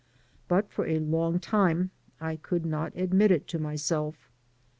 But for a long time I could not admit it to myself.